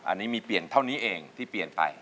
อันนี้มีเปลี่ยนเท่านี้เองที่เปลี่ยนไป